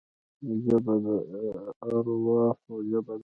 ژبه د ارواحو ژبه ده